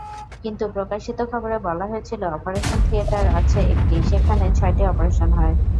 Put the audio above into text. কিন্তু প্রকাশিত খবরে বলা হয়েছিল, অপারেশন থিয়েটার আছে একটি, সেখানে ছয়টি অপারেশন হয়।